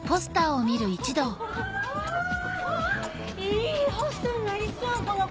いいホストになりそうこの子！